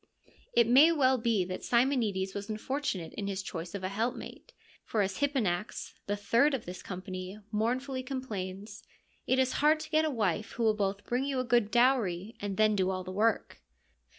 It may well be that Simonides was unfortunate in his choice of a helpmate, for as Hipponax, the third of this com pany, mournfully complains, ' It is hard to get a wife who will both bring you a good dowry and then do all the work.'